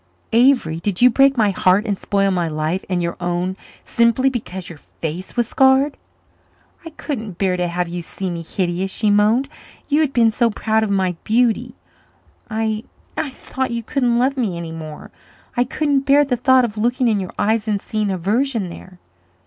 "Avery, did you break my heart and spoil my life and your own simply because your face was scarred?" "I couldn't bear to have you see me hideous," she moaned. "You had been so proud of my beauty. I I thought you couldn't love me any more I couldn't bear the thought of looking in your eyes and seeing aversion there."